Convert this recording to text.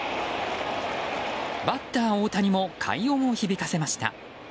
バッター大谷も快音を響かせました。